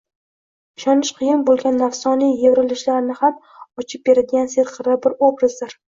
ishonish qiyin bo’lgan nafsoniy evrlishlarni ham ochib beradigan serqirra bir obrazdir.